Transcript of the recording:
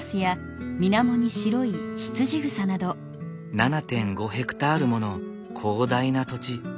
７．５ヘクタールもの広大な土地。